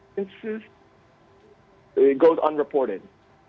perang jahat yang tidak diberikan